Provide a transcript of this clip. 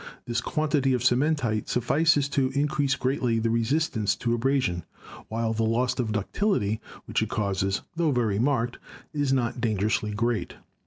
This quantity of cementite suffices to increase greatly the resist ance to abrasion, while the loss of ductility which it causes, tho very marked, is not dangerously great.